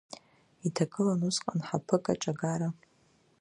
Иҭагылан усҟан ҳаԥыкаҿ агара…